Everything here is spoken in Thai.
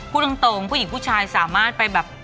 พูดตรงผู้หญิงผู้ชายสามารถไปแบบ